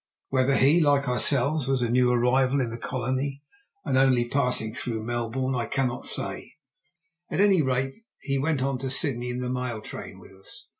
Whether he, like ourselves, was a new arrival in the Colony, and only passing through Melbourne, I cannot say; at any rate he went on to Sydney in the mail train with us.